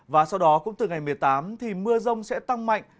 và sau đó cũng từ ngày một mươi tám thì mưa rông sẽ tăng mạnh